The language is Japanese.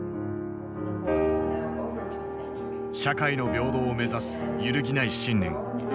社会の平等を目指す揺るぎない信念。